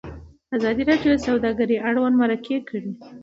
ازادي راډیو د سوداګري اړوند مرکې کړي.